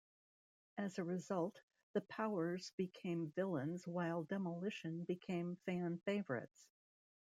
As a result, the Powers became villains while Demolition became fan favorites.